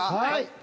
はい。